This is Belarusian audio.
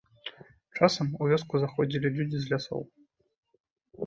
Часам, у вёску заходзілі людзі з лясоў.